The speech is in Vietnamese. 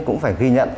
cũng phải ghi nhận